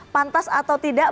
pantas atau tidak